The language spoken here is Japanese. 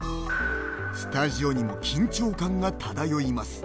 スタジオにも緊張感が漂います。